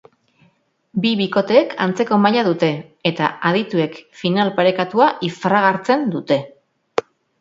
Bi bikoteek antzeko maila dute eta adituek final parekatua ifragartzen dute.